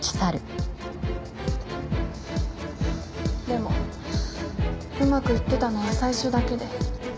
でもうまくいってたのは最初だけで。